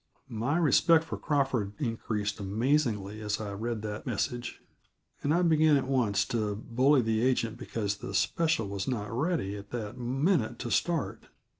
My respect for Crawford increased amazingly as I read that message, and I began at once to bully the agent because the special was not ready at that minute to start.